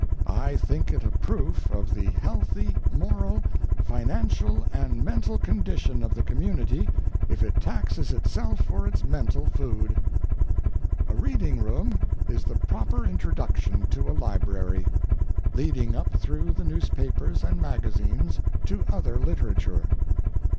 I think it a proof of the healthy, moral, financial, and mental condition of the community if it taxes itself for its mental food. A reading room is the proper introduction to a library, leading up through the newspapers and magazines to other literature.